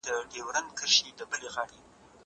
زه پرون د لوبو لپاره وخت نيولی!!